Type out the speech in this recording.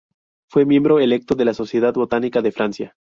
Fue miembro electo de la Sociedad Botánica de Francia.